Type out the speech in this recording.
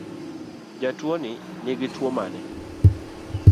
Jatuoni nigi Tuo mane?